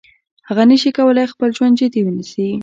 هغه نشي کولای خپل ژوند جدي ونیسي.